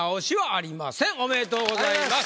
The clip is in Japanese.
ありがとうございます。